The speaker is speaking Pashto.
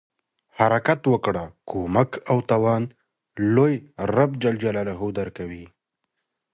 د حرکت وکړه، کومک او توان لوی رب ج درکوي.